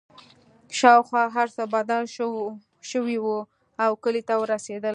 شاوخوا هرڅه بدل شوي وو او کلي ته ورسېدل